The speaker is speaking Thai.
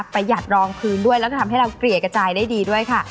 หยัดรองพื้นด้วยแล้วก็ทำให้เราเกลี่ยกระจายได้ดีด้วยค่ะ